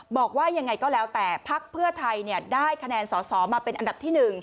บอกว่ายังไงก็แล้วแต่พักเพื่อไทยได้คะแนนสอสอมาเป็นอันดับที่๑